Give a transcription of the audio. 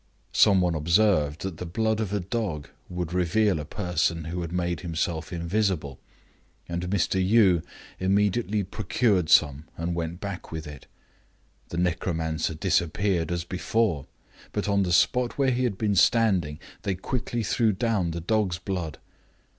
Some one observed that the blood of a dog would reveal a person who had made himself invisible, and Mr. Yii immediately procured some and went back with it The necromancer disappeared as before, but on the spot where he had been standing they quickly threw down the dog's blood.